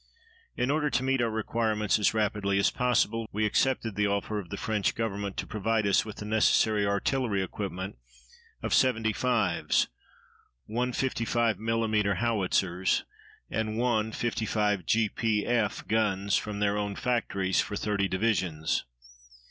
In order to meet our requirements as rapidly as possible, we accepted the offer of the French Government to provide us with the necessary artillery equipment of seventy fives, one fifty five millimeter howitzers, and one fifty five G. P. F. guns from their own factories for thirty divisions.